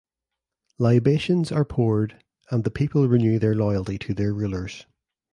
Libations are poured and the people renew their loyalty to their rulers.